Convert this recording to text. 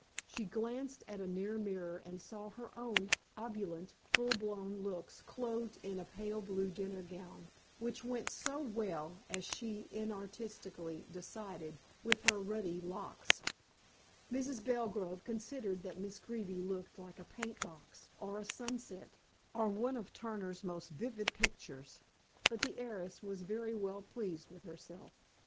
She glanced at a near mirror and saw her own opulent, full blown looks clothed in a pale blue dinner gown, which went so well as she inartistically decided, with her ruddy locks, Mrs. Belgrove considered that Miss Greeby looked like a paint box, or a sunset, or one of Turner's most vivid pictures, but the heiress was very well pleased with herself.